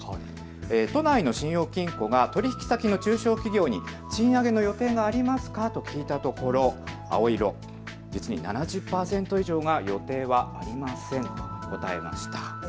都内の信用金庫が取引先の中小企業に賃上げの予定がありますかと聞いたところ青色、実に７０％以上が予定はありませんと答えました。